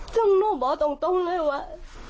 จึงโน้ตบอกตรงเลยว่ะ